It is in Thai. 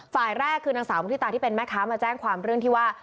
ฝ่ายแรกคือนางสาวมุฒิตาที่เป็นแม่ค้ามาแจ้งความเรื่องที่ว่า